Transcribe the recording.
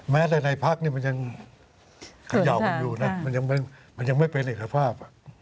แม้แต่ในภาคมันยังขย่าวอยู่มันยังไม่เป็นอิสภาพ